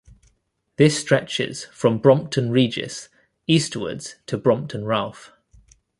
This stretches from "Brompton Regis" eastwards to Brompton Ralph.